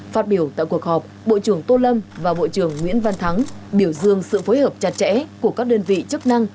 phát biểu tại cuộc họp bộ trưởng tô lâm và bộ trưởng nguyễn văn thắng biểu dương sự phối hợp chặt chẽ của các đơn vị chức năng